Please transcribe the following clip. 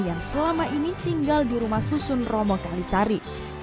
yang selama ini tinggal di rumah susun romo kalisari